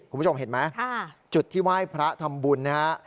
คุณผู้ชมเห็นไหมจุดที่ไหว้พระทำบุญนะฮะ